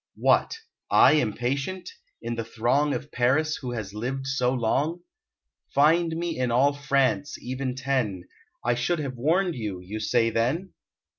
What! I impatient? In the throng Of Paris who has lived so long? Find me in all France even ten; I should have warned you, you say then?